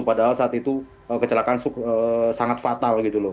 padahal saat itu kecelakaan sangat fatal gitu loh